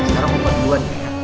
sekarang kembali buat bulan ya